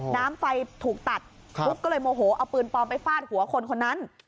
น้ำไฟถูกตัดปุ๊กก็เลยโมโหเอาปืนปลอมไปฟาดหัวคนคนนั้น